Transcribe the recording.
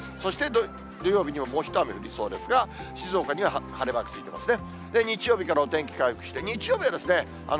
そして土曜日にももう一雨降りそうですが、静岡には晴れマークついてますね。